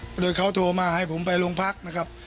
โดยเขาโทรมาให้ผมไปโรงพักนะครับ